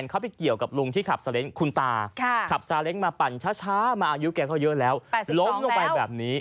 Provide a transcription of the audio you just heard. คือแบบอารมณ์หัวร้อนมาแล้ว